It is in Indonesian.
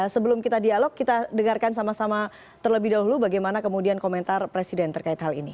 sebelum kita dialog kita dengarkan sama sama terlebih dahulu bagaimana kemudian komentar presiden terkait hal ini